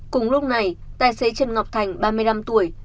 cùng lúc này tài xế trần ngọc thành ba mươi năm tuổi